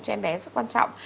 cho em bé rất quan trọng